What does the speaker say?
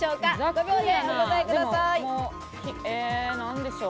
５秒でお答えください。